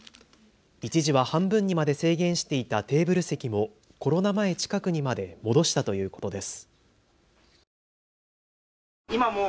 一時は半分にまで制限していたテーブル席もコロナ前近くにまで戻したということです。